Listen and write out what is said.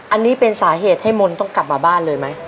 อันนี้เป็นสาเหตุให้มนต์ต้องกลับมาบ้านเลยไหม